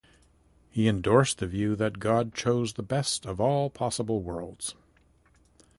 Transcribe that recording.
He endorsed the view that God chose the best of all possible worlds.